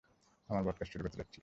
আমরা ব্রডকাস্ট শুরু করতে যাচ্ছি।